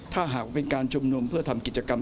ถ้าหากว่าเป็นการชุมนุมเพื่อทำกิจกรรม